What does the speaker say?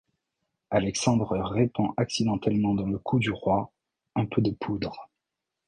Alexandre répand accidentellement dans le cou du roi un peu de poudre.